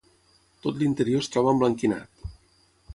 Tot l'interior es troba emblanquinat.